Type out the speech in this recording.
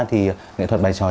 thì nghệ thuật bài tròi